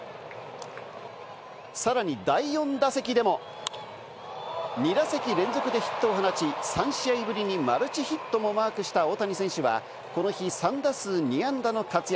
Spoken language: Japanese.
さらに第４打席でも、２打席連続でヒットを放ち、３試合ぶりにマルチヒットもマークした大谷選手は、この日３打数２安打の活躍。